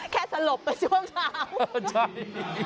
แค่สลบไปชั่วคราว